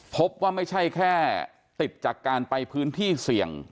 พบว่าไม่ใช่แค่ติดจากการไปพื้นที่เสี่ยง